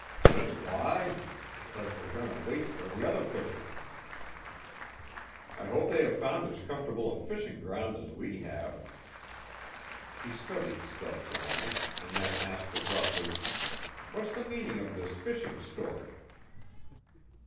"'Cause why? 'Cause we're goneter wait fer the other fishermen." "I hope they have found as comfortable a fishing ground as we have." He studied Stubbs a moment and then asked abruptly, "What's the meaning of this fishing story?"